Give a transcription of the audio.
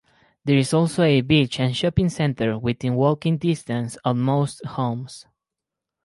There is also a beach and shopping centre within walking distance of most homes.